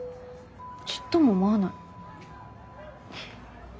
ちっとも思わない。